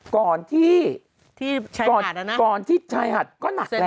ก่อนที่ชายหาดก็หนักแล้ว